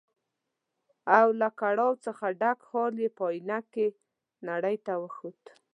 او له کړاو څخه ډک حال یې په ائينه کې نړۍ ته وښود.